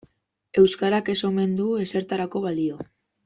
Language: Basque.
Euskarak ez omen du ezertarako balio.